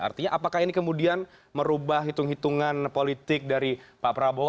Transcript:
artinya apakah ini kemudian merubah hitung hitungan politik dari pak prabowo